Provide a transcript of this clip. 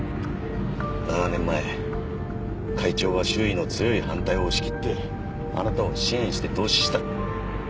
７年前会長は周囲の強い反対を押し切ってあなたを支援して投資した。